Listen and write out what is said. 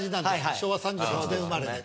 昭和３８年生まれで。